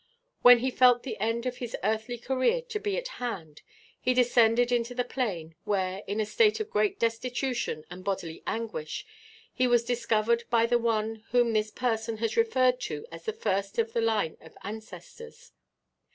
When he felt the end of his earthly career to be at hand he descended into the plain, where, in a state of great destitution and bodily anguish, he was discovered by the one whom this person has referred to as the first of the line of ancestors.